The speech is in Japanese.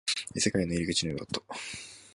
異世界への入り口のようだった